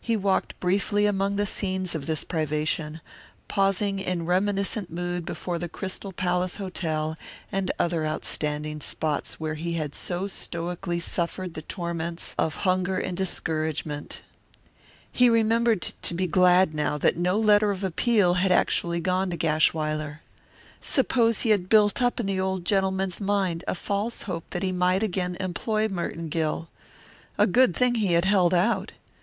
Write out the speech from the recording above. He walked briefly among the scenes of this privation, pausing in reminiscent mood before the Crystal Palace Hotel and other outstanding spots where he had so stoically suffered the torments of hunger and discouragement. He remembered to be glad now that no letter of appeal had actually gone to Gashwiler. Suppose he had built up in the old gentleman's mind a false hope that he might again employ Merton Gill? A good thing he had held out!